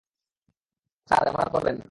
Sir, এমনটা করবেন না।